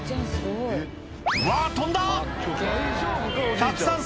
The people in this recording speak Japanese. うわ飛んだ！